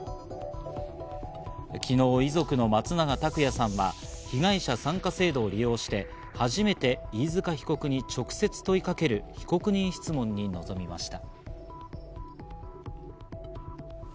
昨日、遺族の松永拓也さんは被害者参加制度を利用して初めて飯塚被告に直接問いかける被告人質問に臨みました。